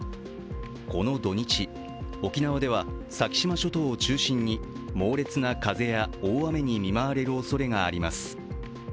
この土日、沖縄では先島諸島を中心に猛烈な風や大雨に見舞われるおそれがあります。